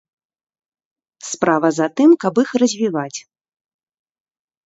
Справа за тым, каб іх развіваць.